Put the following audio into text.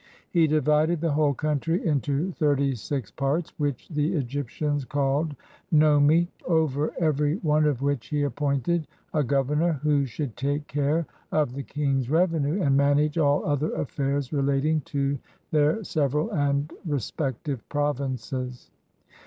He divided the whole country into thirty six parts, which the Egyptians call Nomi, over every one of which he appointed a governor who should take care of the king's revenue and manage all other affairs relating to their several and respective provinces.